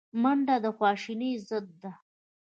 منډه د خواشینۍ ضد ده